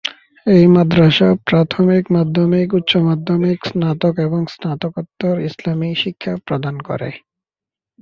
এই মাদ্রাসা প্রাথমিক, মাধ্যমিক, উচ্চমাধ্যমিক, স্নাতক, এবং স্নাতকোত্তর ইসলামী শিক্ষা প্রদান করে।